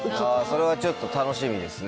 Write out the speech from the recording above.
それはちょっと楽しみですね。